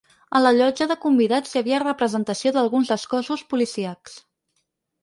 A la llotja de convidats hi havia representació d’alguns dels cossos policíacs.